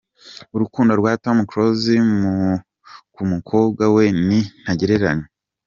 Urukundo rwa Tom Close ku mukobwa we ni ntagereranywa.